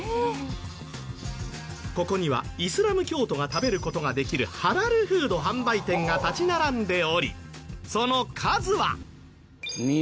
ここにはイスラム教徒が食べる事ができるハラルフード販売店が立ち並んでおりその数は。